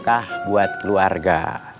bukah buat keluarga